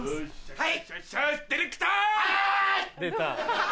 はい！